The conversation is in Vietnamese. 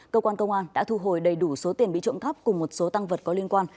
cơ quan công an đã thu hồi đầy đủ số tiền bị trộm cắp cùng một số tăng vật có liên quan